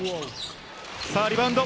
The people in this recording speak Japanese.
リバウンド。